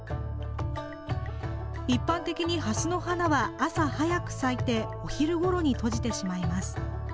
一般的にハスの花は朝早く咲いてお昼ごろに閉じてしまいます。